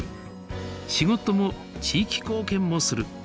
仕事も地域貢献もする。